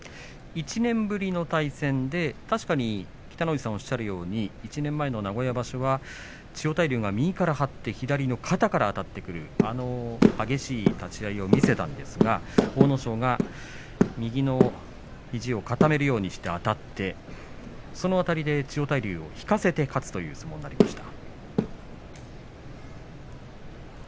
１年ぶりの対戦で確かに北の富士さんがおっしゃるように１年前の名古屋場所は千代大龍が右から張って左の肩からあたっていく激しい立ち合いを見せたんですが阿武咲が右の肘を固めるようにしてあたってそのあたりで千代大龍を引かせて勝つという相撲になりました。